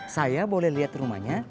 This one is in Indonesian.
saya boleh liat rumahnya